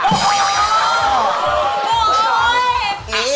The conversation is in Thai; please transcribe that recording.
เบอร์๒นี่